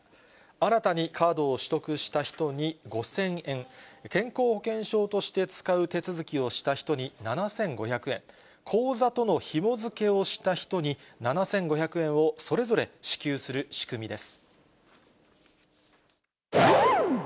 新たにカードを取得した人に５０００円、健康保険証として使う手続きをした人に７５００円、口座とのひもづけをした人に７５００円をそれぞれ支給する仕組みです。